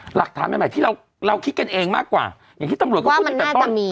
หลักฐานใหม่ที่เราคิดกันเองมากกว่าอย่างที่ตำรวจก็พูดตั้งแต่ต้น